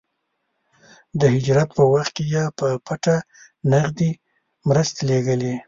د هجرت په وخت کې يې په پټه نغدې مرستې لېږلې.